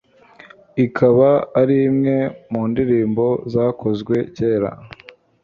ikaba arimwe mu indirimbo zakozwe cyera